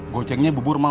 bojengnya bubur mau